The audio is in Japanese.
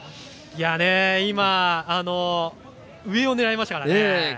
今、上を狙いましたからね。